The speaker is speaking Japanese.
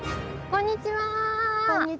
こんにちは。